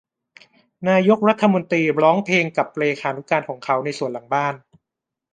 นายกรัฐมนตรีร้องเพลงกับเลขานุการของเขาในสวนหลังบ้าน